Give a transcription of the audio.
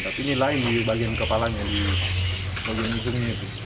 tapi ini lain di bagian kepalanya di bagian ujungnya